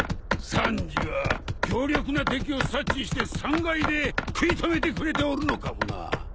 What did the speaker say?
サンジは強力な敵を察知して３階で食い止めてくれておるのかもな。